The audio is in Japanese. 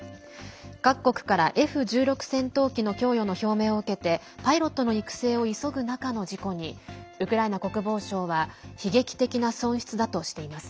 各国からＦ１６戦闘機の供与の表明を受けてパイロットの育成を急ぐ中の事故にウクライナ国防省は悲劇的な損失だとしています。